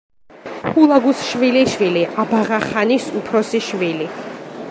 ჰულაგუს შვილიშვილი, აბაღა-ხანის უფროსი შვილი.